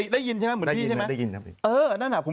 ได้ยินใช่ไหม